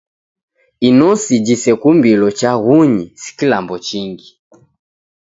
Inosi jisekumbilo chaghunyi si kilambo chingi.